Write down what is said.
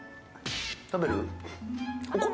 食べる？